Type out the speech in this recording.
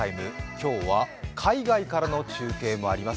今日は海外からの中継もあります。